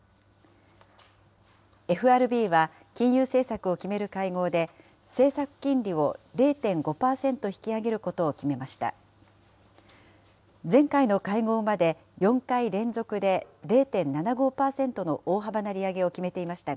ＦＲＢは、金融政策を決める会合で、政策金利を０．５％引き上げることを決めました。